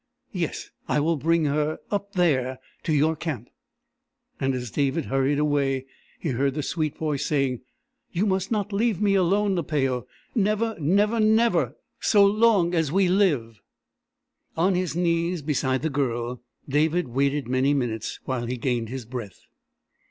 "Yes I will bring her up there to your camp." And as David hurried away, he heard the sweet voice saying: "You must not leave me alone, Napao never, never, never, so long as we live...." On his knees, beside the Girl, David waited many minutes while he gained his breath.